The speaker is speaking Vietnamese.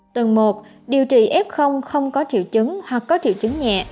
tầng một điều trị f không có triệu chứng hoặc có triệu chứng nhẹ